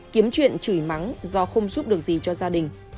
kiếm chuyện chửi mắng do không giúp được gì cho gia đình